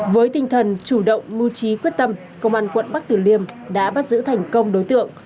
với tinh thần chủ động mưu trí quyết tâm công an quận bắc tử liêm đã bắt giữ thành công đối tượng